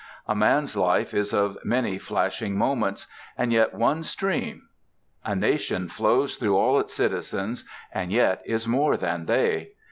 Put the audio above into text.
A man's life is of many flashing moments, and yet one stream; a nation's flows through all its citizens, and yet is more than they.